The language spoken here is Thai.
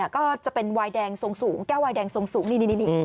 ก็จะเป็นวายแดงทรงสูงแก้ววายแดงทรงสูงนี่